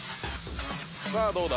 さぁどうだ？